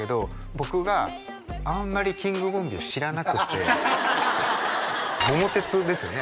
僕があんまりキングボンビーを知らなくて「桃鉄」ですよね？